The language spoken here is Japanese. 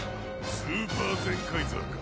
スーパーゼンカイザーか。